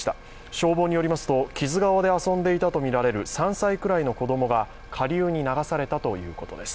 消防によりますと木津川で遊んでいたとみられる３歳くらいの子供が下流に流されたということです。